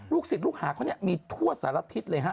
ลูกศิษย์ลูกหาเขาเนี่ยมีทั่วสารัพทิศเลยเฮะ